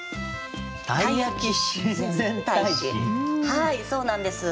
はいそうなんです。